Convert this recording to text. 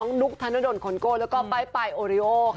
กระทินตึกของนุคธนดลคนโก้และปายปายโอเรโอ